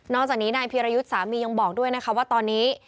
จากนี้นายพีรยุทธ์สามียังบอกด้วยนะคะว่าตอนนี้